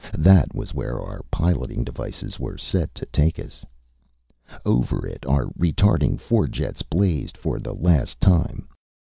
That was where our piloting devices were set to take us. Over it, our retarding fore jets blazed for the last time.